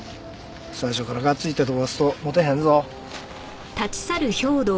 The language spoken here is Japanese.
最初からがっついて飛ばすともてへんぞ。